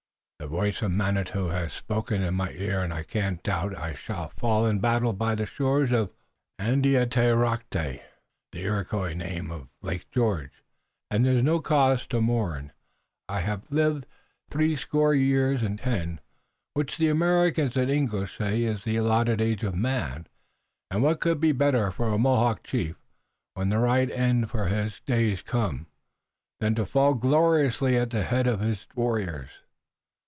The voice of Manitou has spoken in my ear and I cannot doubt. I shall fall in battle by the shores of Andiatarocte (the Iroquois name of Lake George) and there is no cause to mourn. I have lived the three score years and ten which the Americans and English say is the allotted age of man, and what could be better for a Mohawk chief, when the right end for his days has come, than to fall gloriously at the head of his warriors?